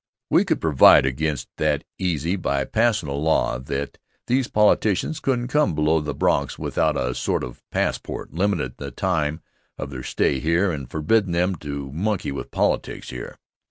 We could provide against that easy by passin' a law that these politicians couldn't come below the Bronx without a sort of passport limitin' the time of their stay here, and forbiddin' them to monkey with politics here.